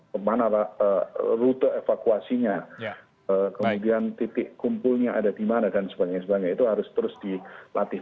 kemana rute evakuasinya kemudian titik kumpulnya ada di mana dan sebagainya itu harus terus dilatih